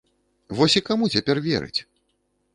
Вось і каму цяпер верыць?